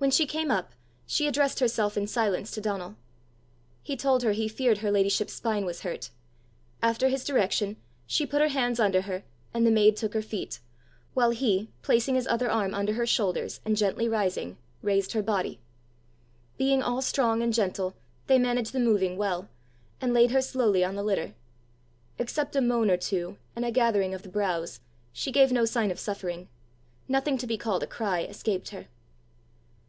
When she came up, she addressed herself in silence to Donal. He told her he feared her ladyship's spine was hurt. After his direction she put her hands under her and the maid took her feet, while he, placing his other arm under her shoulders, and gently rising, raised her body. Being all strong and gentle, they managed the moving well, and laid her slowly on the litter. Except a moan or two, and a gathering of the brows, she gave no sign of suffering; nothing to be called a cry escaped her.